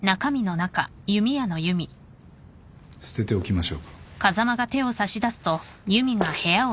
捨てておきましょうか。